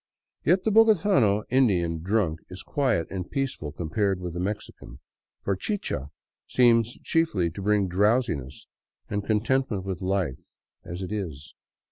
Yet the iDOgotano Indian drunk is quiet and peaceful compared with the Mexican, for chicha seems chiefly to bring drowsiness and con tentment with life as it is.